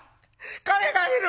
金がいる！